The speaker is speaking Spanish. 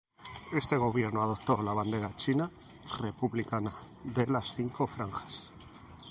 Este Gobierno adoptó la bandera china republicana de las cinco franjas.